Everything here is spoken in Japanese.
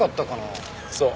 そう。